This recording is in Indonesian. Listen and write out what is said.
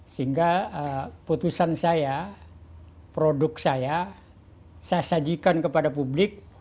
sehingga putusan saya produk saya saya sajikan kepada publik